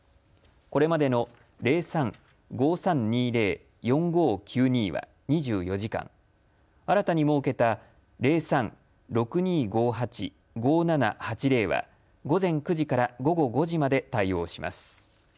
これまでの０３‐５３２０‐４５９２は２４時間新たに設けた０３‐６２５８‐５７８０は午前９時から午後５時まで対応します。